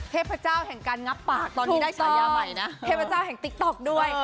เทพเจ้าแห่งการงับปากตอนนี้ได้ฉายาใหม่นะเทพเจ้าแห่งติ๊กต๊อกด้วย